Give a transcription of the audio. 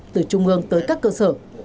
từ trung ương tới các cơ sở